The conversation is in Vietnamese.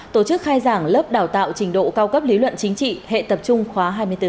tổ chức khai giảng lớp đào tạo trình độ cao cấp lý luận chính trị hệ tập trung khóa hai mươi bốn